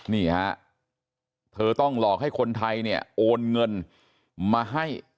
นี่ฮะเธอต้องหลอกให้คนไทยเนี่ยโอนเงินมาให้